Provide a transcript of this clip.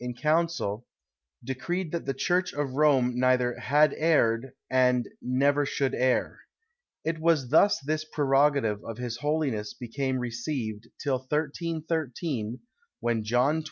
in council, decreed that the church of Rome neither had erred, and never should err. It was thus this prerogative of his holiness became received, till 1313, when John XXII.